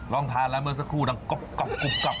ลองทานแล้วเมื่อสักครู่ดังก๊อบกลับ